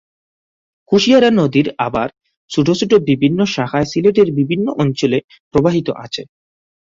কুশিয়ারা নদীর আবার ছোট ছোট বিভিন্ন শাখায় সিলেটের বিভিন্ন অঞ্চলে প্রবাহিত আছে।